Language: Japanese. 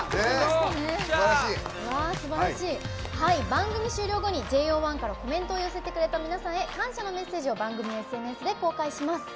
番組終了後にＪＯ１からコメントを寄せてくれた皆さんへ感謝のメッセージを番組ＳＮＳで公開します。